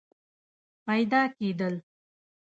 پیدا کېدل